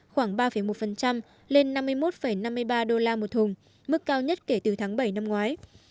khoảng ba một lên năm mươi một năm mươi ba đô la một thùng mức cao nhất kể từ tháng bảy năm ngoái